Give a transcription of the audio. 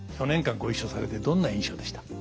４年間ご一緒されてどんな印象でした？